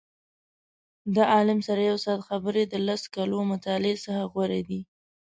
د عالم سره یو ساعت خبرې د لسو کالو مطالعې څخه غوره دي.